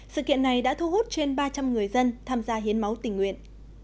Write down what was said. sự kiện này đã thu hút trên ba trăm linh người dân tham gia hiến máu tình nguyện